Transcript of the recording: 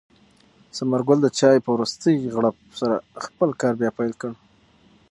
ثمر ګل د چای په وروستۍ غړپ سره خپل کار بیا پیل کړ.